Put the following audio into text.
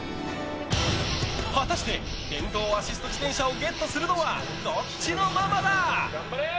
果たして、電動アシスト自転車をゲットするのはどっちのママだ？